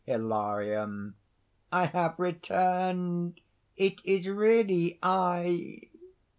HILARION. "I have returned! It is really I!"